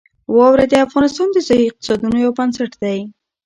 واوره د افغانستان د ځایي اقتصادونو یو بنسټ دی.